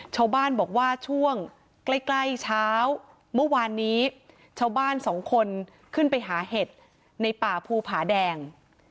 ชาวบ้านบอกว่าช่วงใกล้เช้าเมื่อวานนี้ชาวบ้านสองคนขึ้นไปหาเห็ดในป่าภูผาแดง